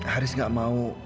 haris nggak mau